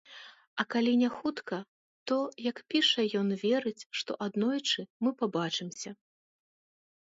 А калі не хутка, то, як піша, ён верыць, што аднойчы мы пабачымся.